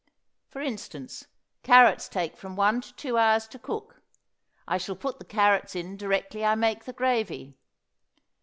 For instance, carrots take from one to two hours to cook; I shall put the carrots in directly I make the gravy.